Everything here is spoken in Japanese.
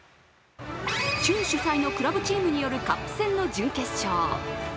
州主催のクラブチームによるカップ戦の準決勝